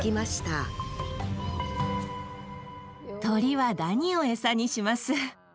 鳥はダニを餌にします。